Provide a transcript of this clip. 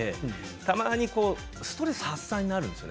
たまにストレス発散になるんですよ。